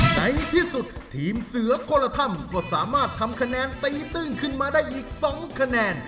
ในที่สุดทีมเสือคนละถ้ำก็สามารถทำคะแนนตีตื้นขึ้นมาได้อีก๒คะแนน